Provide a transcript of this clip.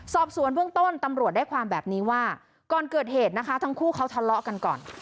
สอบสวนเบื้องต้นตำรวจได้ความแบบนี้ว่าก่อนเกิดเหตุนะคะทั้งคู่เขาทะเลาะกันก่อน